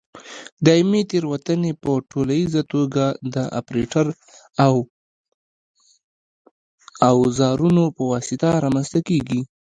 دایمي تېروتنې په ټولیزه توګه د اپرېټر او اوزارونو په واسطه رامنځته کېږي.